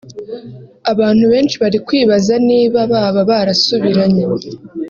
Abantu benshi bari kwibaza niba baba barasubiranye